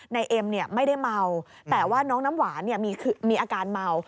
นายเอ็มไม่ได้เมาแต่ว่าน้องน้ำหวานมีอาการเมา